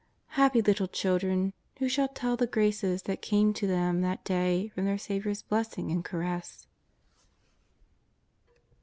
Happy little children, who shall tell the graces that came to them that day from their Saviour's blessing and caress